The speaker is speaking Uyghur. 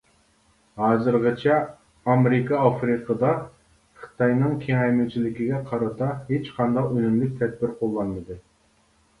ھازىرغىچە ئامېرىكا ئافرىقىدا خىتاينىڭ كېڭەيمىچىلىكىگە قارىتا ھېچقانداق ئۈنۈملۈك تەدبىر قوللانمىدى.